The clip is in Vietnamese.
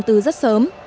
tỉnh đồng nai